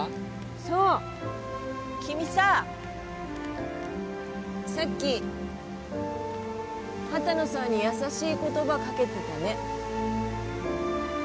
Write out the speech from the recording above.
そう君ささっき畑野さんに優しい言葉かけてたね